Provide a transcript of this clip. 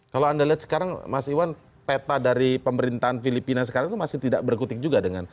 kalau anda lihat sekarang mas iwan peta dari pemerintahan filipina sekarang itu masih tidak berkutik juga dengan